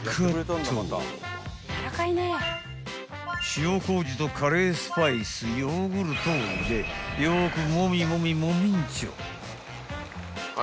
［塩こうじとカレースパイスヨーグルトを入れよくもみもみもみんちょ］